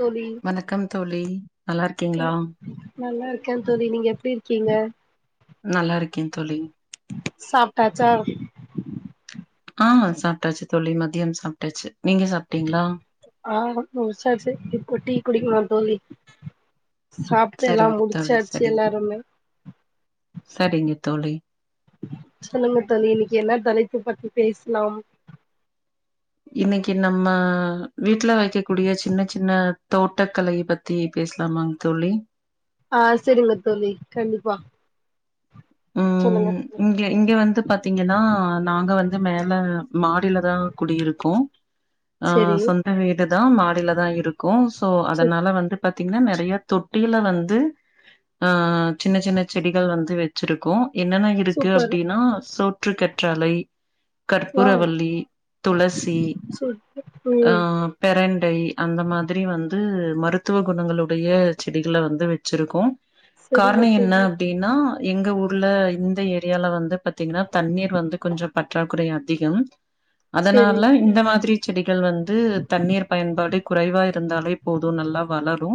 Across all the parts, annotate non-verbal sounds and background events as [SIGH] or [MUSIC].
தோழி வணக்கம் தோழி நல்லா இருக்கீங்களா நல்லா இருக்கே தோழி நீங்க எப்டி இருக்கீங்க நல்லா இருக்கே தோழி ட்டாச்சா ஆ சாப்ட்டாச்சு தோழி மதியம் சாப்ட்டாச்சு நீங்க சாப்ட்டீங்களா ஆ முடிச்சாச்சு இப்ப டீ குடிக்கணு தோழி சாப்ட்டு எல்லா சரிங்க தோழி முடிச்சாச்சு சரிங்க எல்லாருமே சரிங்க தோழி சொல்லுங்க தோழி இன்னக்கி என்ன தலைப் பு பத்தி பேசலாம் இன்னக்கி நம்ம வீட்ல வெக்கக்கூடிய சின்னச்சின்ன தோட்டக்கலைய பத்தி பேசலாமாங் தோழி அ செரிங்க தோழி கண்டிப்பா சொல்லுங்க ம் இங்க இங்க வந்து பாத்தீங்கன்னா நாங்க வந் து மேல மா டிலதா குடியிருக்கோ ஆ செரி சொந்த வீடுதா மாடிலதா இருக்கோ சோ சூ அதனால வந்து பாத்தீங்ன்னா நெறைய தொட்டியில வந்து ஆ சின்னச்சின்ன செடிகள் வந்து வெ ச்சிருக்கோ என்னென்ன இருக்கு சூப்பர் அப்டின்னா சோ ற்று கற்றாழை வாவ் கற்பூரவல்லி துளசி சூப்பர் ஆ ம் பெரண்டை அந்த மாதிரி வந்து மருத்துவ குணங்களுடைய செடிகள வந்து வெச்சிருக்கோ செரிங்க காரணோ என்ன தோழி அப்டின்னா எங்க ஊர்ல இந்த ஏரியால வந்து பாத்தீங்ன்னா தண்ணீர் வந்து கொஞ்ச பற்றாக்குறை அதிகம் செரி அதனால இந்த மாதிரி செடிகள் வந்து தண்ணீர் பயன்பாடு குறைவா இருந்தாலே போது நல்லா வளரு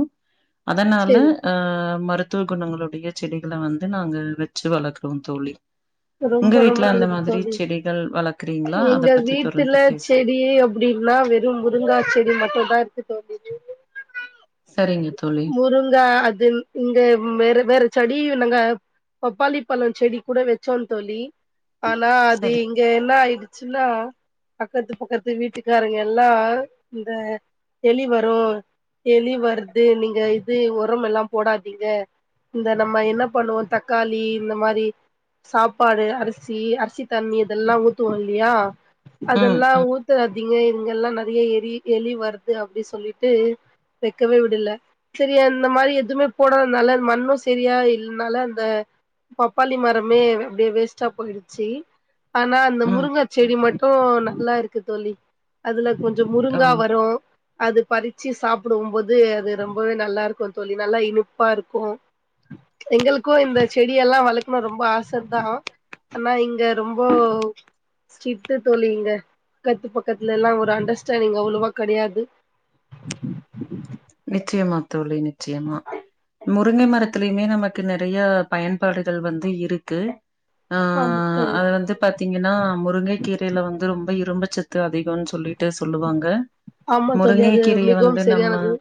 அதனால செரி ஆ மரு த்துவ குணங்களுடைய செடிகள வந் து நாங்க வெச்சி வளக்கறோம் தோழி ரொம்ப உங்க ரொம்ப வீட்ல அந்த நல்லது மாதிரி தோழி செடிகள் வளக்குறீங்களா அத எங்க பத்தி வீட்டுல தொடர்ந்து பேசுங்க செடி அப்டின்னா வெறும் முருங்கா செடி மட்டுந்தா இருக்கு தோழி [INAUDIBLE] சரிங்க தோழி முருங்கா அது இங்க வேற வேற செடி நாங்க பப்பாளி பழம் செடி கூட வச் சோம் தோழி ஆனா அது சரி இங்க என்ன ஆயிடுச் சினார பக்கத்து பக்கத்து வீட்டுக்காரங்க எல்லாம் இந்த எலி வரும் எலி வருது நீங்க இது உரம் எல்லாம் போடாதீங்க இந்த நம்ம என்ன பண்ணுவோம் தக்காளி இந்த மாரி சாப்பாடு அரிசி அரிசி தண்ணி இதெல்லாம் ஊத்துவோம் இல்லையா ம் அதுல்லாம் ம் ஊத்த றிங்க இங்க எல்லாம் நறையா எறி எலி வருது அப்டி சொல்லிட்டு வக்கவே விடல சரி அந்த மாரி எதுமே போடாதுனால மண்ணும் செரியா இல்னால அந்த பப்பாளி மர மே அப்டே வேஸ்ட்டா போயிடுச்சி ஆனா அந்த ம் முருங்கா ம் செடி மட்டும் நல்லா இருக் கு தோழி அதுல கொஞ்சம் ஓ முருங்கா வரும் அது பறிச்சி சாப்படவுபோது அது ரொம்பவே நல்லா இருக்கும் தோழி நல்லா இனிப்பா இருக்கும் எங்களுக்கும் இந்த செடி எல்லா வளக்கணும் ரொம் ப ஆச தான் ஆனா இங்க ரொம்ப ஸ்டிட்டு தோழி இங்க பக்கத்து பக்கத்துல எல்லாம் ஒரு அண்டர்ஸ்டேண்டிங் அவ்ளோவா கடையாது நிச்சயமா தோழி நிச்சயமா முருங்க மரத்திலயுமே நமக்கு நறையா பயன்பாடுகள் வந்து இருக்கு ஆ ஆமா தோழி அது வந்து பாத்தீங்கன்னா முருங்க கீரையில வந்து ரொம்ப இரும்பு சத்து அதிகன் சொல்லிட்டு சொல்லுவாங்க ஆமா தோழி முருங்கை அது கீரைய மிகவும் வந்து நம்ம சரியானது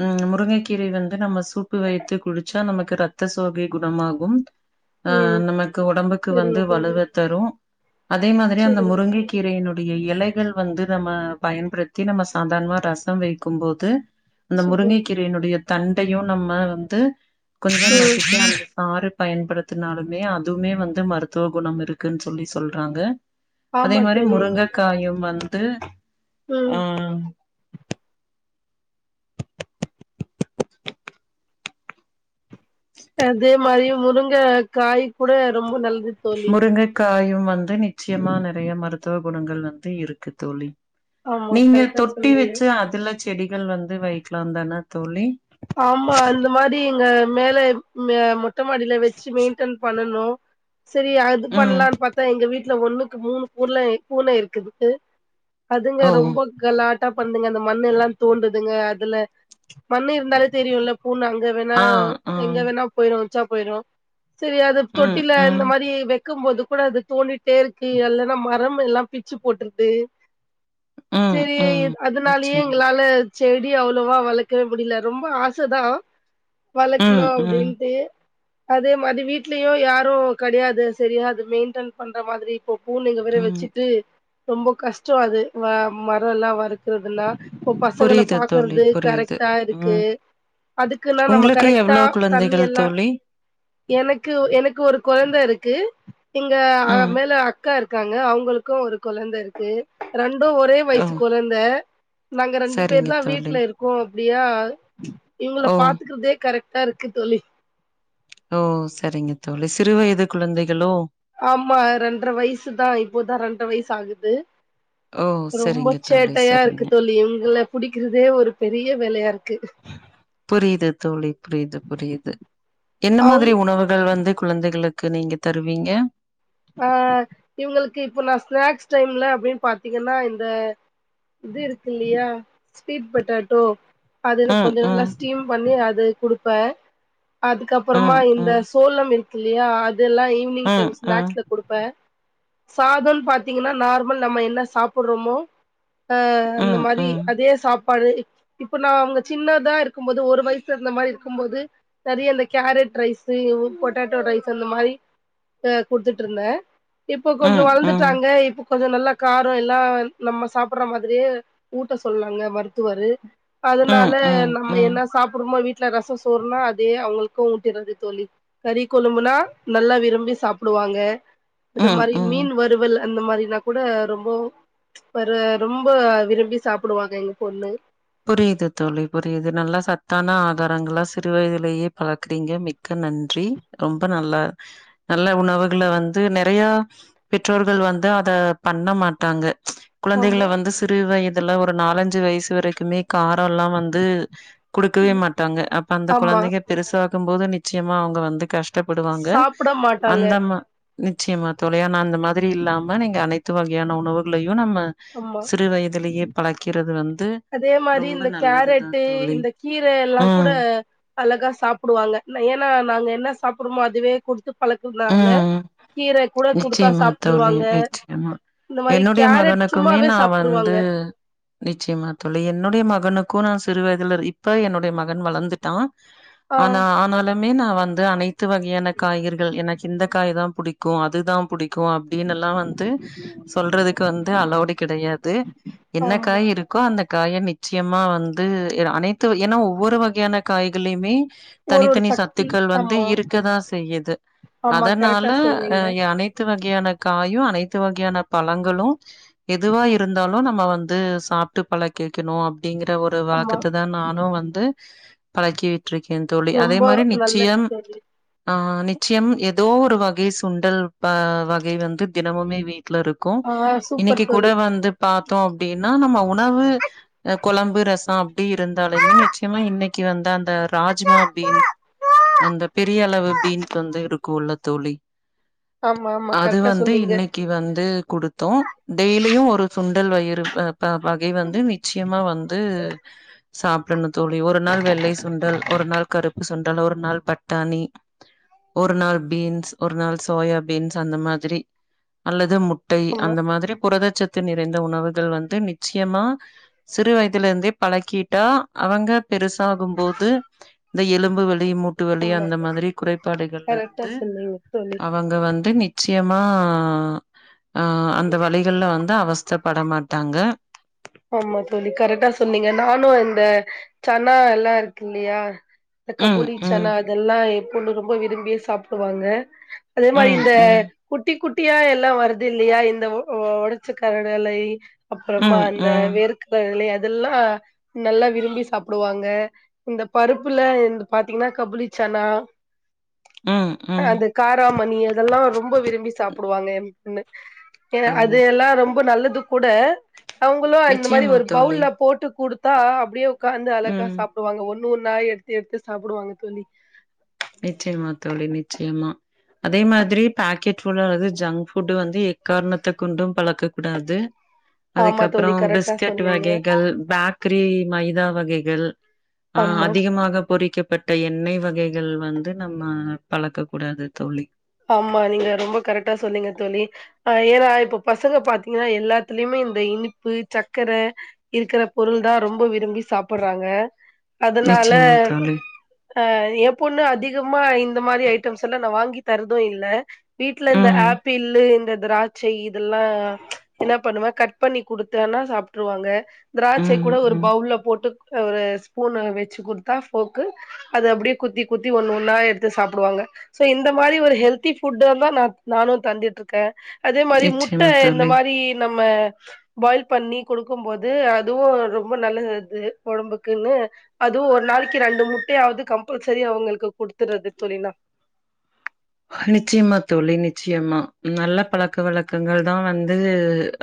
ம் முருங்கக்கீரைய வந்து நம்ம சூப்பு வைத்து குடிச்சா நமக்கு ரத்த சோகை குணமாகும் ஆ ம் நமக்கு ஒடம்புக்கு சரிங்க வந்து தோழி வலுவ தரும் அதே மாதிரி அந்த சரிங்க முருங்க கீரையினு டைய இலைகள் வந்து நம்ம பயன்படுத்தி நம்ம சாதாரணமா ரசம் வைக்கும்போது அந்த சூப்பர் முருங்கை கீரையினுடைய தண்டயும் நம்ம வந்து கொஞ்சம் ம் [INAUDIBLE] நாறு பயன்படுத்தினாலுமே அதுமே வந்து மருத்துவ குணம் இருக்குன் சொல்லி சொல்றாங்க அதே ஆமா மாரி தோழி முருங்கக்காயும் வந்து ஆ ம் அதே மாரியு முருங்க காய் கூட ரொம்ப நல்ல து தோழி காயும் வந்து ந்து நிச்சயமா நறையா மருத் துவ குணங்கள் வந்து இருக்கு தோழி ஆமா நீங்க கரெக்டா தொட்டி சொன்னீங்க வச்சி அதுல செடிகள் வந்து வைக்கலாம் தான தோழி ஆமா அந்த மாரி இங்க மேல இங்க மொட் டமாடியில வச்சி மெயின்டன் பண்ணனும் சரி அது ம். பண்ணலான் பாத்தா எங்க வீட்ல ஒண்ணுக்கு மூணு பொர்ல பூன இருக்குது அதுங்க ஓ! ரொம்ப கலாட் டா பண்துங்க அந்த மண்ணெல்லா தோண்டுதுங்க அதுல மண்ணு இருந்தாலும் தெரியு இல்ல பூன அங்க வேணா ஆ, ஆ. எங்க வேணா போயிடும் உச்சா போயிரும் செரி அத ம், தொட்டில இந்த ம், மாரி வக் இருக்கும்போது கூட அது தோணிட்டே இருக்கு இல்லன்னா மரம் எல்லாம் பிச்சு போட்டுருது ம், சரி ம். அதனாலயே நிச்சயமா. எங்களால செடி அவ்ளோவா வளக்கவே முடியல ரொம்ப ஆச தான் ம், வளக்கணும் ம், அப்டின்ட்டு அதே மாதிரி வீட்லயும் யாரும் கெடையாது சரியா அது மெயின்ட்டன் பண்ற மாதிரி இப்போ பூலிங்க வேற ம். வச்சிட்டு ரொம்ப கஷ்டம் அது ம மரம் எல்லாம் வளக்கறதுலா இப்ப பசங்கல புரியுது தோழி, பாக்கறது புரியுது. கரெக்ட்டா இருக் கு ம். அதுக்குன்னா நம்ம உங்களுக்கு கரக்ட்டா எவ்ளோ தண்ணி குழந்தைகள் எல்லாம் தோழி? எனக்கு எனக்கு ஒரு கொழந்த இருக்கு திங்க ஆ ம். மேல கா இருக்காங்க அவுங்களுக்கும் ஒரு கொழந்த இருக்கு ரெண்டும் ஒரே ஓ! வயசு கொழந்த நாங்க ரெண்டு சரிங்க பேர் தான் தோழி. வீட்ல இருக்கோம் பியா இவங்கள ஓ! பாத்துக்கறதே கரெக்ட் அ இருக்கு தோழி ஓ சரிங்க தோழி சிறு வயது குழந்தைகளோ ஆமா ரெண்ற வயசு தா இப்போதா ரெண்ற வயசு சாகுது ஓ! ரொம்ப சரிங்க தோழி, சேட்டையா இருக்கு சரிங்க. தோழி இவங்கள புடிக்கிறதே ஒரு பெரிய வேளையா இருக்கு புரியுது தோழி புரியுது புரியுது என்ன அவுங் மாதிரி உணவுகள் வந்து குழந்தைகளுக்கு நீங்க தருவீங்க அ இவுங்க்ளுக்கு இப்ப நா ஸ்நாக்ஸ் டைம்ல அப்டின்னு பாத்தீங்க்ன்னா இந்த இது இருக்கு இல்லையா ஸ்வீட் பொட்டேட்டோ அதுது ம், கொஞ்ச நல்லா ம். ஸ்டீம் பண்ணி அத் து குடுப்ப அதுக்கப்பறமா ம், இந்த ம், சோளம் இரு ல்லியா இதெல்லா ஈவ்னி்ங் ம், டைம் ஸ்நாக்ஸ் ம், லந்து ப சாதோ பாத்தீங்கன்னா நார்மல் நம்ம என்ன சாப்புடறோமோ அ அந்த ம், மாரி ம், அதே சாப் படு இப்ப நா அவங்க சின்னதா இருக்கும்போது ஒரு வயசு இந்த மாரி இருக்கும்போது சரி அந்த கேரட் ரைஸ் பொட்டட்டோ ரைஸ் அந்த மாரி அ குடுத்து ட்ருந்தே இப்போ ம், கொஞ்ச ம், ம், வளந்துட்டாங்க இப்ப கொஞ்ச நல்லா காரோ எல்லா நம்ம சாப்புடுற மாதிரியே ஊட்ட சொன்னாங்க மருத்துவரு அதுனால ம், நம்ம ம், என்ன சாப்புடுமோ வீட் டல ரசம் சோறுனா அதே அவுங்களுக்கு ஊத்திர்றது தோழி கறிக்கொழம்புன்னா நல்லா விரும்பி சாப்டுவாங்க அத ம், மாதிரி ம். மீன் வருவல்ல அந்த மாரினா கூட ரொம்பவு வர ரொம்ப விரும்பி சாப்புடுவாங்க எங்க பொண்ணு புரியுது தோழி புரியுது நல்லா சத்தான ஆதாரங்களா சிறு வயதிலேயே பழக்குறீங்க மிக்க நன்றி ரொம்ப நல்லா நல்ல உணவுகள வந்து நெறயா பெற்றோர்கள் வந்து அத பண்ண மாட்டாங்க ச் குழந்தைகள ஆமா வந்து சிறு வயத் இதல்லா ஒரு நாலஞ்சு வயசு வரைக் க்குமே காரல்லா வந்து குடுக்கவே மாட்டாங்க அப்ப அந்த ஆமா கொழந்தைங்க பெருசா க்கு போது நிச்சயமா அவுங்க வந்து கஷ்ட் டப்படுவாங்க சாப்பிட மாட்டாங்க அந்த மா நிச்சயமா தோழியா நா அந்த ம் மாதிரி இல்லாம நீங்க அனைத்து வாழ் யன உணவுகள யோ நம்ம ஆமா சிறு வயதிலேயே பழக்கிறது வந்து அது ரொம்ப இந்த நல்லதுதா கேரட்டு தோழி இந்த கீர எல்லாங்கூட ம் அழகா சாப்புடுவாங்க ஏன்னா நாங்க என்ன சாப் குருமோ அதுவே குடுத்துக் பழக்கந்தாங்க ம் கீர கூட குடுத்தா நிச்சயமா தோழி சாப்ட்ருவாங்க நிச்சயமா இந்த மாதிரி என்னுடைய கேரட் மகனுக்குமே சும்மாவே நா சாப்ட்ருவாங்க தொழி என்னுடைய மகனுக்கு நா சிறு வயதுல ரு இப்ப என்னுடைய மகன் வளர்ந்துட்டா ஆ ஆனா ஆனால மே நா வந்து அனைத் த்து வகையான காய்கறிகள் என காய் தா புடிக்கு அதுதா புடிக் இருக்கு அப்படின்னுல்லா வந்து சொல்றதுக்கு வந்து அளவ்டு கிடையாது என்ன ஆமா காய் இருக்கோ அந்த காய நிச்சயமா வந்து அனைத்து ஏன்னா ஒவ்வொரு வகையான காய்களயுமே ஒரு ஒரு தனித்தனி சக்தி சத்துக்கள் வந்து ஆமா இருக்கதா செய்யுது ஆமா அதனால கரெக்டா அ சொன்னீங்க அனைத்து வகையான காயு அனைத்து அனைத்து வகையான பழங்களு எதுவா இருந்தாலு அப்ப நம்ம வந்து சாப்பிட்டு பழ கேட்கணு அப் அப்படிங்கற ஒரு ஆமா வழக்கத்த தா நானு வந்து பழக்கி விட்டுருக்கே தோழி அதே ரொம்ப மாதிரி நல்லது நிச்சயம் தோழி ஆ நிச்சயம் எது ஏதோ ஒரு வகை சுண்டல் ப வகைல வந்து தினமுமே வீட் ல இருக்கு ஆ இன்னைக்கு சூப்பர் கூட தோழி வந்து பா த்தோ அப்படின்னா நம்ம உணவு கொழம்பு ரசோ அப்படி இருந்தாலுமே நிச்சயமா இன்னைக்கு வந்த அந்த ராஜ்மா பீன் அந்த பெரிய அளவு பீன்ஸ் வந்து இருக்கு உள்ள தோழி ஆமா ஆமா அது கரெக்டா வந்து சொன்னீங்க இன்னைக்கு வந்து குடுத்தோ டெய்லியு ஒரு சுண்ட உடல் வயிறு வ ப பகை வந்து நிச்சியமா வந்து சாப்படணும் தோழி ஒரு நாள் வெள்ளை சுண்டல் ஒரு நாள் கருப்பு சுண்டல் ஒரு நாள் பட்டாணி ஒரு நாள் பீன்ஸ் ஒரு நாள் சோயா பீன்ஸ் அந்த மாதிரி அல்லது முட் டை ஆமா அந்த மாதிரி புரத சத்து நிற இருந்த உணவுகள் வந்து நிச்சயமா சிறுவயதிலிருந்தே பழக்கிட்டா அவங்க பெருசாகும்போது இந்த எலும்புகள் மூட்டுவலி அந்த மாதிரி குறைபாடுகள்ல இருந் சொன்னிங்க தோழி நிச்சயமா ஆ அந்த வலிகள்ல வந்து அவஸ்தப்பட மாட்டாங்க ஆமா தோழி கரெட்டா சொன்னீங்க நானும் இந்த சன்னா எல்லாம் இருக்கு இல்லையா இந்த ம், ம், கபூலிச்சனா அதெல்லாம் ஒண்ணு ரொம்ப விரும்பியே சாப்டுவாங்க அதே மாரி ம், இந்த ம், குட்டி குட் டியா எல்லாம் வருது இல்லையா இந்த ஒ ஒடச்சக்கரனல்லை ம் ம் இருக்கல அதெல்லாம் நல்லா விரும்பி சாப்டுவாங்க இந்த பருப்புல இந்த பாத்தீங்கன்னா கபுளிச்சனா ம், ம். அந்த காராமணி அதெல்லா ரொம்ப விரும்பி சாப் புடுவாங்க என் பொண்ணு ஏனா ஓ! அது எல்லாம் ரொம்ப நல்லது கூட அவுங்களும் அந்த மாரி நிச்சயமா ஒரு தோழி. பவுல்ல போட்டு குடுத் தா அப்டியே உக்காந்து அழகா ம். சாப்டுவாங்க ஒன் னு ஒன்னா எடுத்து எடுத்து சாப்டுவாங்க தோழி நிச்சயமா தோழி நிச்சயமா அதே மாதிரி பாக்கெட் புடோ அல்லது ஜங்க் ஃபுட்டு வந்து எக்காரணத்த கொண்டும் பழக்க கூடாது ஆமா தோழி அதுக்கப்புறம் கரெக்டா பிஸ்கேட்டு சொன்னீங்க வகைகள் பேக்கரி மைதா வ கைகள் ஆ ஆமா அதிகமாக பொறிக்க பட்ட எண்ணெய் வகை கள் வந்து நம்ம பழக்க கூடாது தோழி ஆமா நீங்க ரொம்ப கரட்டா சொன்னீங்க தோழி ஆ ஏன்னா இப்ப பசங்க பாத்தீங்கன்னா எல்லாத்துலயுமே இந்த இனிப்பு சக்கர இருக்கிற பொருள் தா ரொம்ப விரும்பி சாப்படறாங்க அதனால நிச்சயமா தோழி. ஆ எ பொண்ணு அதிகமா இந்த மாதிரி ஐட்டம்ஸ் எல்லா நா வாங்கி தருது இல்ல வீட்டுல இந்த ம், ஆப்பிள் இந்த திராட்சை இதெல்லா என்ன பண்ணுவே கட் பண்ணி கொடுத்தன்னா சாப்பிட்டுருவாங்க திராட்சை கூட ம், ஒரு ம். பவுல போட்டு ஒரு ஸ்பூன் வச்சு குடுத்தா ஃபோக்கு அது அப்படியே குத்தி குத்தி ஒன்னு ஒன்னா எடுத்து சாப்பிடுவாங்க சோ இந்த இந்த மாதிரி ஒரு ஹெல்தி ஃபுட தா நா நானு தந்துட்டு இருக்கே அதே மாதிரி முட்ட நிச்சயமா இந்த தோழி. மாதிரி நம்ம நம்ம பாயில் பண்ணி கொடுக்கு போது அதுவு ரொம்ப நல்லது அது ஒடம்புக்குன்னு அதுவு ஒரு நாளைக்கு ரெண்டு முட்டைய ஆவது கம்பல்சரி அவங்களுக்கு குடுத்துடுறது தோழி நிச்சயமா தோழி நிச்சயமா நல்ல பழக்க வழக்கங்கள் தா வந்து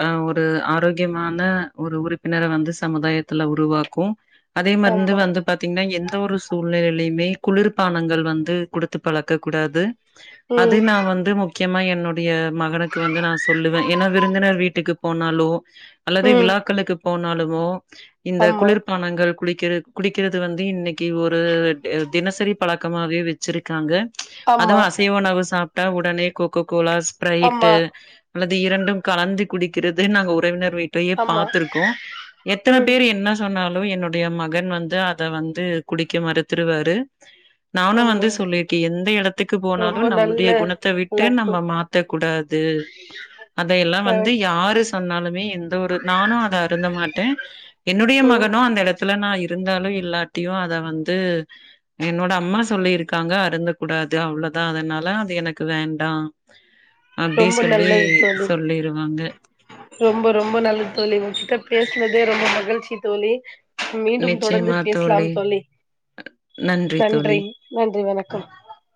ஆ ஒரு ஆரோக்கியமான ஒரு உறுப்பினரை வந்து சமுதாயத்துல உருவாக்கு அதே மதிந்து ஆமா வந்து பாாரத்தீங்கன்னா எந்த ஒரு சூழ்நிலையுமே குளிர்பானங்கள் வந்து குடுத்து பழக்க கூடாது அது ம் நா வந்து முக்கி முக்கியமா என்னுடைய மகனுக்கு வந்து நா சொல்லுவே ஏன்னா விருந்தினர் வீட்டுக்கு போனாலோ அல்லது ம் விழாக்களுக்கு போன் நாளுமோ இந்த ஆமா குளிர்பானங்கள் குளிக்கிறது குடிக்கிறது வந்து இன்னைக்கு ஒரு தினசரி பழக்கமாவே வச்சுருக்காங்க ஆமா சாப்பிட்டா ஒடனே கோ கோ கோலா ஸ்ப்ரைட்டு ஆமா அல்லது இரண்டும் கலந்து குடிக்கிறது நாங்க ஒரு உறவினர் விட்லயே ஆமா பார்த்திருக்கோ எத்தன ம் பேர் என்ன சொன்னாலு என்னோட டைய மகன் வந்து அத வந்து குடிக்க மறுத்துருவாரு நானு வந்து ஆமா சொல்லியிருக்கே எந்த இடத்துக்கு போனாலு ரொம்ப நல்ல நம்முடைய குணத்த விட்டு வளர்ப்பு நம்ம மாத்தக்க கூடாது அதையெல்லா வந்து கரெக்ட் யாரு சொன்னாலுமே எந்த ஒரு நானு அத அருந்த மாட்டே என்னுடைய ம் மகனு அந்த எடத்துல நா இருந்தாலு இல்லாட்டியு அத வந்து என்னோட அம்மா சொல்லிருக்காங்க அருந்த கூடாது அவ்ளோ தா அதனால அது எனக்கு வேண்டா ரொம்ப நல்லது தோழி ரொம்ப ரொம்ப நல்லது தோழி உகிட்ட பேசினதே ரொம்ப மகிழ்ச்சி தோழி மீண்டு தொடர்ந்து பேசலாம் தோழி நன்றி நன்றி வணக்கம் ஆ